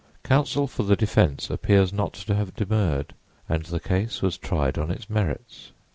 Counsel for the defense appears not to have demurred and the case was tried on its merits.